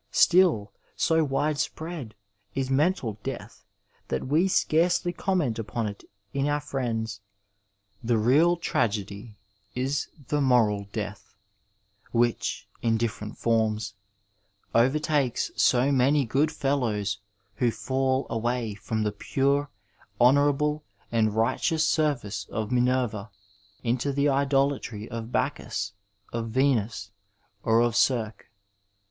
Still, so widespread is mental death that we scarcely comment upon it in our friends. The real tragedy is the moral death which, in different forms, overtakes so many good fellows who fall away from the pure, honour able, and righteous service of Minerva into the idolatry of Bacchus, of Venus, or of CSirce.